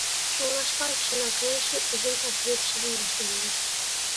شۇڭلاشقا كىشىنىڭ قېرىشى ئۆزىنى تاشلىۋېتىشىدىن باشلىنىدۇ.